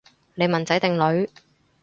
你問仔定女？